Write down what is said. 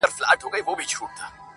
• خو ستا پر شونډو به ساتلی یمه -